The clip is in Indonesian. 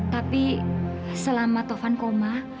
tapi selama taufan koma